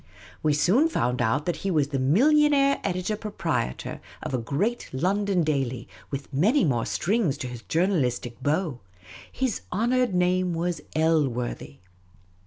We soon found out that he was the millionaire editor proprietor of a great London daily, with many more strings to his journalistic bow ; his honoured name was Elworthy.